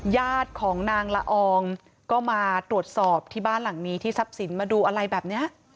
ญาติของนางละอองก็มาตรวจสอบที่บ้านหลังนี้ที่ทรัพย์สินมาดูอะไรแบบนี้